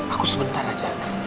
aku sebentar aja